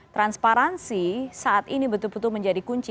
transparansi saat ini betul betul menjadi kunci